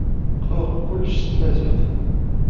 Qqareɣ kullec s tmaziɣt.